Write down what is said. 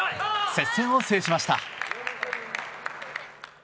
接戦を制しました。